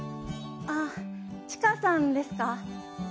ああチカさんですか？